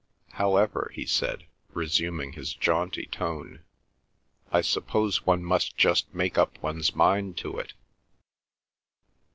"However," he said, resuming his jaunty tone, "I suppose one must just make up one's mind to it."